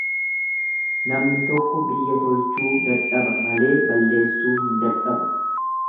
Namni tokko biyya tolchuu dadhaba malee balleessuu hin dadhabu.